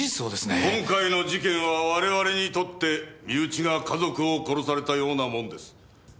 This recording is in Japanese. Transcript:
今回の事件は我々にとって身内が家族を殺されたようなもんです。